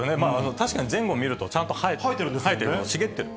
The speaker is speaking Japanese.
確かに前後見ると、ちゃんと生えてる、茂ってる。